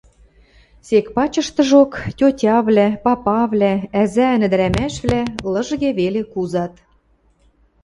Сек пачыштыжок – тьотявлӓ, папавлӓ, ӓзӓӓн ӹдӹрӓмӓшвлӓ лыжге веле кузат.